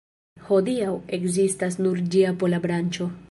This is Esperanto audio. Hodiaŭ ekzistas nur ĝia pola branĉo.